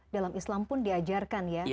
dalam islam pun diajarkan